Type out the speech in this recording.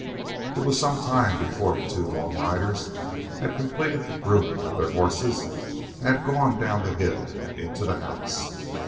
It was some time before the two long riders had completed the grooming of their horses and had gone down the hill and into the house.